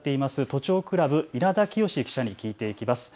都庁クラブ稲田清記者に聞いていきます。